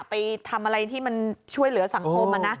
ไปทำอะไรที่มันช่วยเหลือสังคม